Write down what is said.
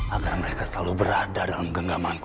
agar mereka selalu berada dalam genggaman